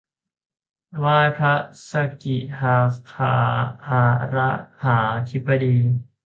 ไหว้พระสกิทาคา อะระหาธิบดี